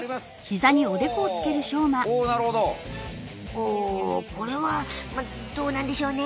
おおこれはまあどうなんでしょうね？